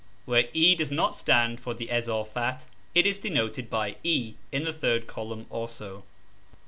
Where e does not stand for the Izafat it is denoted by " e " in the the third column also.